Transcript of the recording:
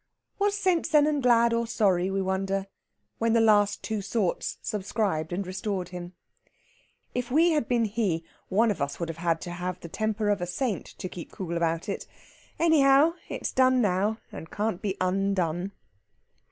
Was St. Sennan glad or sorry, we wonder, when the last two sorts subscribed and restored him? If we had been he, one of us would have had to have the temper of a saint to keep cool about it. Anyhow, it's done now, and can't be undone.